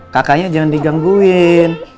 kakaknya jangan digangguin